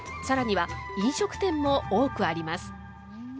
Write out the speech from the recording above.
さらには、飲食店も多くあります。